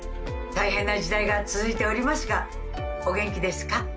大変な時代が続いておりますがお元気ですか？